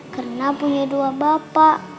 karena punya dua bapak